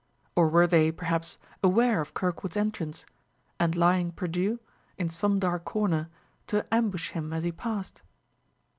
Or were they, perhaps, aware of Kirkwood's entrance, and lying perdui, in some dark corner, to ambush him as he passed?